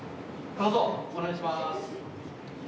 どうぞ、お願いします。